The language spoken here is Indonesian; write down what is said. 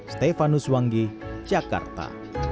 stefanus wanggi jakarta